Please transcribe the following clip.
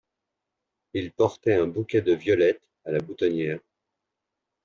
Il portait un bouquet de violettes a la boutonniere.